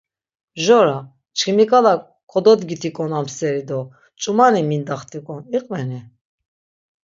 Mjora, çkimiǩala kododgitik̆on amseri do ç̌umani mindaxtik̆on iqveni?